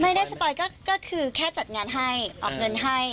ไม่ได้สปอยก็คือแค่จัดงานให้ออกเงินให้